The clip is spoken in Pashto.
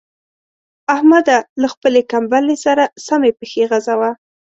احمده! له خپلې کمبلې سره سمې پښې غځوه.